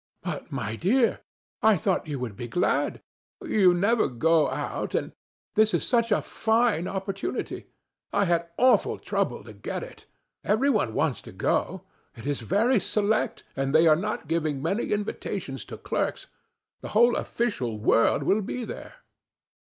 "But, my dear, I thought you would be glad. You never go out, and this is such a fine opportunity. I had awful trouble to get it. Everyone wants to go; it is very select, and they are not giving many invitations to clerks. The whole official world will be there."